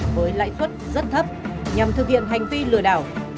với lãi suất rất thấp nhằm thực hiện hành vi lừa đảo